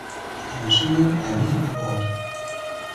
International Emmy Award